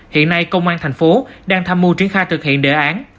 hiện nay công an tp hcm đang tham mưu triển khai thực hiện đề án